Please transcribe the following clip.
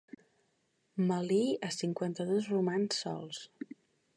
M'alïi a cinquanta-dos romans sols.